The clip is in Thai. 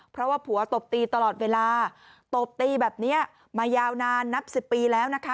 เพราะว่าผัวตบตีตลอดเวลาตบตีแบบนี้มายาวนานนับ๑๐ปีแล้วนะคะ